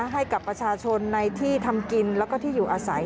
ให้กับประชาชนในที่ทำกินแล้วก็ที่อยู่อาศัย